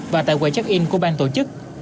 và tại quầy check in của bang tổ chức